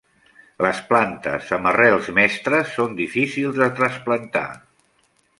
Les plantes amb arrels mestres són difícils de trasplantar.